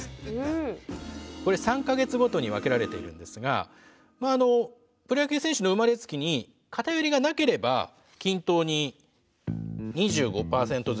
これ３か月ごとに分けられているんですがプロ野球選手の生まれ月に偏りがなければ均等に２５％ずつになるはずなんですけれども。